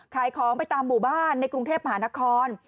ขายของไปตามหมู่บ้านในกรุงเทพมหานคร